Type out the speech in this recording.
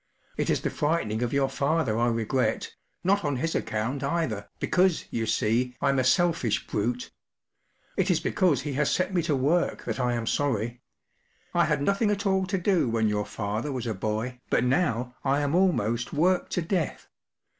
It is the frightening of your father I regret, not on his account either, because, you see, I’m a selfish brute. It is because he has set me to work that I am sorry. I had nothing at all to do when your father was a boy, but now I am almost worked to death.